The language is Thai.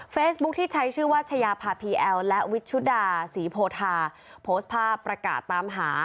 ที่ใช้ชื่อว่าชายาภาพีแอลและวิชชุดาศรีโพธาโพสต์ภาพประกาศตามหา